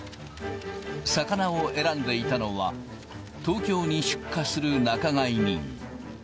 魚を選んでいたのは、東京に出荷する仲買人。